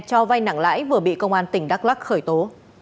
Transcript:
cho vay nặng lãi vừa bị công an tỉnh đắk lắc khởi tố